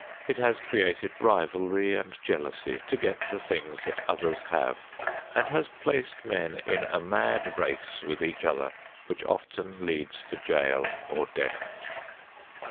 It has created rivalry and jealousy to get the things that others have, and has placed men in a mad race with each other which often leads to jail or death.